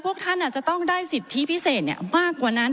พวกท่านอาจจะต้องได้สิทธิพิเศษมากกว่านั้น